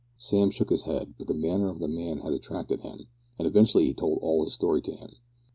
Sam shook his head, but the manner of the man had attracted him, and eventually he told all his story to him.